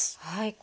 はい。